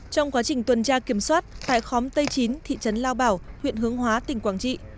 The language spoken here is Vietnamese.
trong quá trình tuần tra kiểm soát tại khóm tây chín thị trấn lao bảo huyện hướng hóa tỉnh quảng trị